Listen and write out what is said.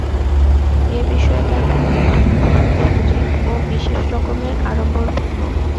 এ বিষয়ে তাঁর পরিকল্পনা খুবই সজীব ও বিশেষ রকমের আড়ম্বরপূর্ণ।